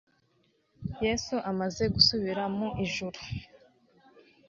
Yesu amaze gusubira mu ijuru.